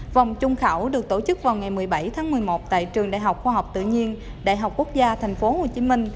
vòng trung khảo được tổ chức vào ngày một mươi bảy tháng một mươi một tại trường đại học khoa học tự nhiên đại học quốc gia tp hcm